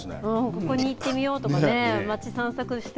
ここに行ってみようとかね、町散策して。